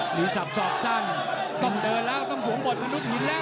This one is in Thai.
มีสับสอกสั้นต้องเดินแล้วต้องสวมบทมนุษยหินแล้ว